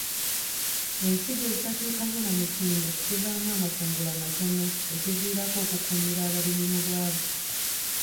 Ensigo ezitatuukaanye na mutindo zivaamu amakungula matono ekiviirako okukuumira abalimi mu bwavu.